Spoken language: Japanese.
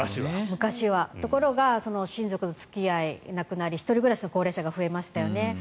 ところが親族の付き合いがなくなり１人暮らしの高齢者が増えましたよね。